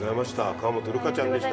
川本琉楓ちゃんでした。